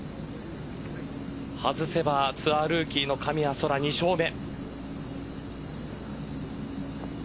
外せばツアールーキーの神谷そら２勝目。